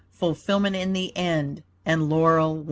Fulfilment in the end and laurel won.